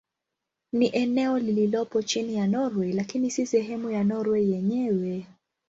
Ni eneo lililopo chini ya Norwei lakini si sehemu ya Norwei yenyewe.